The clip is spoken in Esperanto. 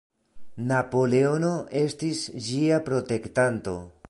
Napoleono estis ĝia "protektanto".